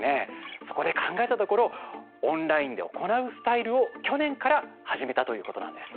そこで考えたところオンラインで行うスタイルを去年から始めたということなんです。